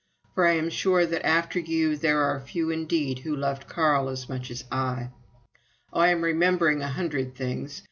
For I am sure that, after you, there were few indeed who loved Carl as much as I. "Oh, I am remembering a hundred things!